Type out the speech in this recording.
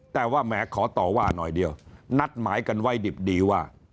แต่ว่าแหมขอต่อว่าหน่อยเดียวนัดหมายกันไว้ดิบดีว่า